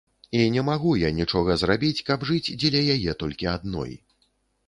І не магу я нічога зрабіць, каб жыць дзеля яе толькі адной.